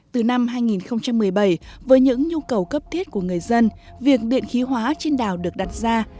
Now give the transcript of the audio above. từ năm hai nghìn một mươi bảy với những nhu cầu cấp thiết của người dân việc điện khí hóa trên đảo được đặt ra